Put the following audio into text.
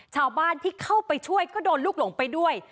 ชาวบ้านที่เข้าไปช่วยก็โดนลูกหลงไปด้วย